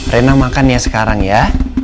rena makan ya sekarang ya